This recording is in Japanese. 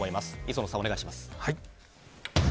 磯野さん、お願いします。